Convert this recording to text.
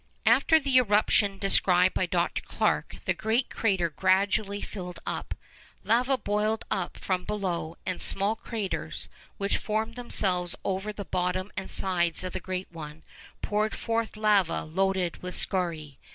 After the eruption described by Dr. Clarke, the great crater gradually filled up. Lava boiled up from below, and small craters, which formed themselves over the bottom and sides of the great one, poured forth lava loaded with scoriæ.